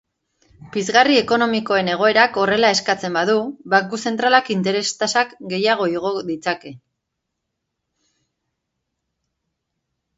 Pizgarri ekonomikoen egoerak horrela eskatzen badu, banku zentralak interes-tasak gehiago igoko ditzake.